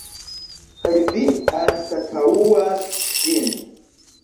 Kaj vi anstataŭas ŝin.